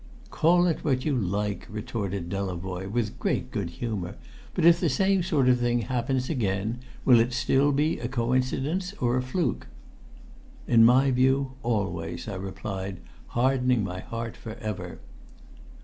"Call it what you like," retorted Delavoye with great good humour. "But if the same sort of thing happens again, will it still be a coincidence or a fluke?" "In my view, always," I replied, hardening my heart for ever.